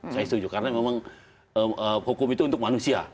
saya setuju karena memang hukum itu untuk manusia